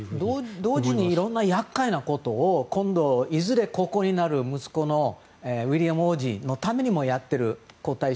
同時にいろんな厄介なことを今度、いずれ国王になる息子のウィリアム皇太子のためにもやってる。